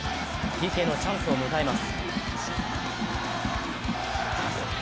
ＰＫのチャンスを迎えます。